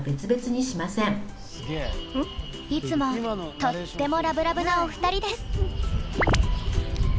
いつもとってもラブラブなお二人です。